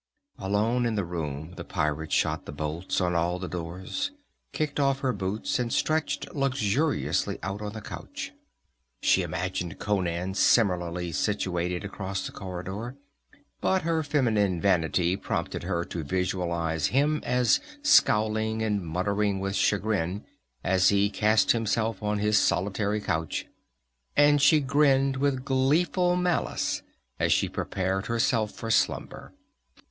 Alone in the room, the pirate shot the bolts on all the doors, kicked off her boots and stretched luxuriously out on the couch. She imagined Conan similarly situated across the corridor, but her feminine vanity prompted her to visualize him as scowling and muttering with chagrin as he cast himself on his solitary couch, and she grinned with gleeful malice as she prepared herself for slumber.